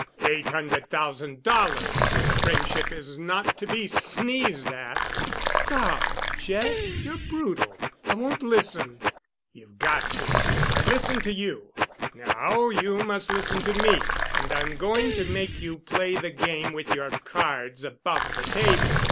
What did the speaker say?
"Eight hundred thousand dollars' worth of friendship is not to be sneezed at." "Stop, Jeff, you're brutal. I won't listen." "You've got to. I've listened to you. Now you must listen to me, and I'm going to make you play the game with your cards above the table.